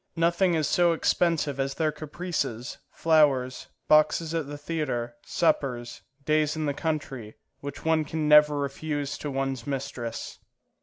Nothing is so expensive as their caprices, flowers, boxes at the theatre, suppers, days in the country, which one can never refuse to one's mistress.